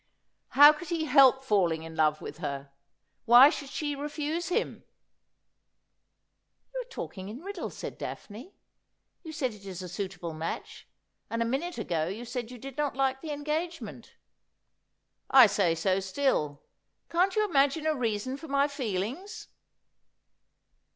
How could he help falling in love with her ? Why should she refuse him ?'' You are talking in riddles,' said Daphne. ' You say it is a suitable match, and a minute ago you said you did not like the engagement.' ' I say so still. Can't you imagine a reason for my feelings